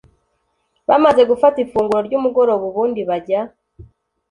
bamaze gufata ifunguro ryumugoroba ubundi bajya